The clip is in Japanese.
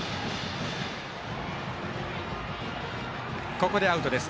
ここでアウトです。